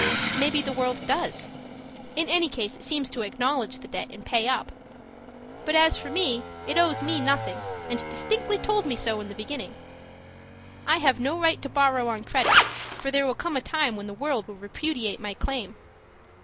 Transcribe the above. Maybe the World does in any case, it seems to acknowledge the debt and pay up. But as for me, it owes me nothing, and distinctly told me so in the beginning. I have no right to borrow on credit, for there will come a time when the World will repudiate my claim.